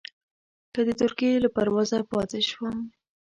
که د ترکیې له پروازه پاتې شوم.